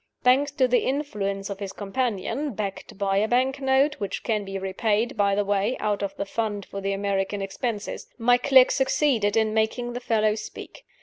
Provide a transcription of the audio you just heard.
Thanks to the influence of his companion, backed by a bank note (which can be repaid, by the way, out of the fund for the American expenses), my clerk succeeded is making the fellow speak.